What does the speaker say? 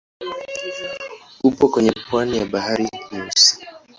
Upo kwenye pwani ya Bahari Nyeusi.